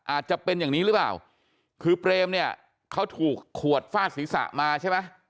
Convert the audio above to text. อาจจะเป็นอย่างนี้หรือเปล่าคือเปรมเนี่ยเขาถูกขวดฟาดศีรษะมาใช่ไหม